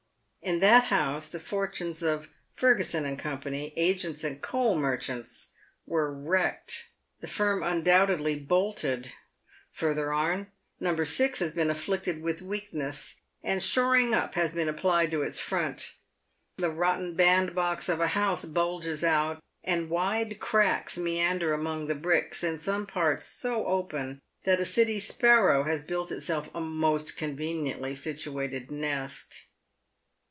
In that house the fortunes of "Fergusson and Co., Agents and Coal Merchants," were wrecked. The firm undoubtedly bolted. Further on, No. 6 has been afflicted with weakness, and shoring up has been applied to its front. The rotten bandbox of a house bulges out, and wide cracks meander among the bricks, in some parts so open that a city sparrow has built itself a most conveniently situated nest.